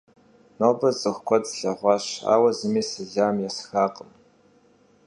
Nobe ts'ıxu kued slhağuaş, aue zımi selam yêsxakhım.